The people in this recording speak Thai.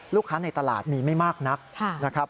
ในตลาดมีไม่มากนักนะครับ